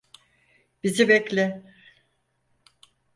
Bizi bekle!